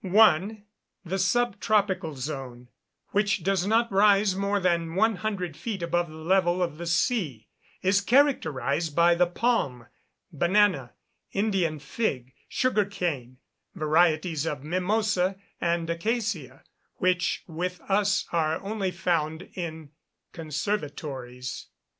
1. The sub tropical zone, which does not rise more than 100 feet above the level of the sea, is characterised by the palm, banana, Indian fig, sugar cane, varieties of mimosa and acacia, which with us are only found in conservatories.